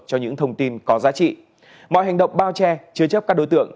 cho những thông tin có giá trị mọi hành động bao che chứa chấp các đối tượng